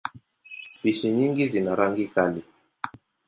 Spishi nyingi zina rangi kali.